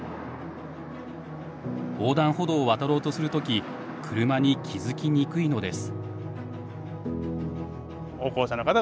横断歩道を渡ろうとする時車に気付きにくいのです。